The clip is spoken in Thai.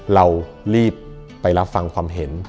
เรารีบไปรับฟังความเห็น